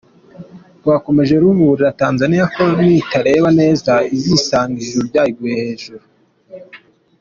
Rwakomeje ruburira Tanzaniya ko nitareba neza izisama ijuru ryayiguye hejuru!